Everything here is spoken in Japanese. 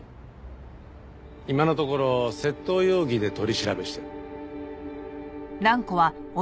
今のところ窃盗容疑で取り調べしてる。